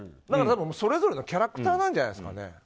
だから多分、それぞれのキャラクターなんじゃないですかね。